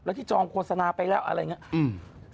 ที่จองโฆษณาไปแล้วอะไรอย่างนี้